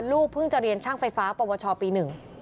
ลูกเพิ่งจะเรียนช่างไฟฟ้าปวชปี๑